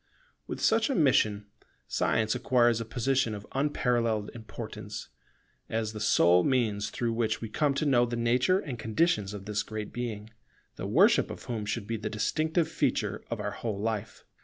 With such a mission, Science acquires a position of unparalleled importance, as the sole means through which we come to know the nature and conditions of this Great Being, the worship of whom should be the distinctive feature of our whole life.